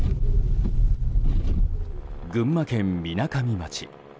群馬県みなかみ町。